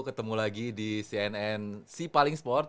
ketemu lagi di cnn cipaling sport